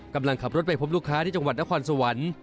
กำลังขับรถไปพบลูกค้าที่จังหวัดนครสวรรค์